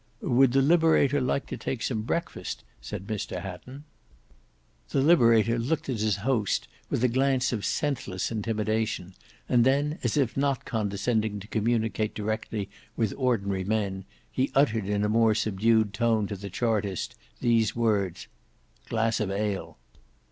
"Would the Liberator like to take some breakfast?" said Mr Hatton. The Liberator looked at his host with a glance of senseless intimidation, and then as if not condescending to communicate directly with ordinary men, he uttered in a more subdued tone to the Chartist these words, "Glass of ale."